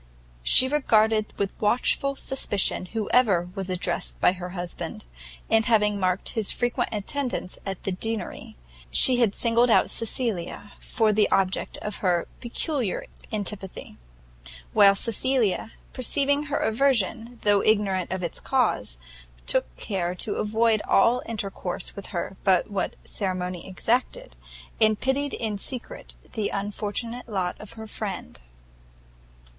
She regarded with watchful suspicion whoever was addressed by her husband, and having marked his frequent attendance at the Deanery, she had singled out Cecilia for the object of her peculiar antipathy; while Cecilia, perceiving her aversion though ignorant of its cause, took care to avoid all intercourse with her but what ceremony exacted, and pitied in secret the unfortunate lot of her friend.